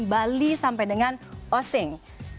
bali sampai dengan ossing